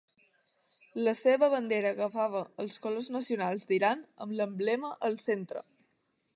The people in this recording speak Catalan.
La seva bandera agafava els colors nacionals d'Iran amb l'emblema al centre.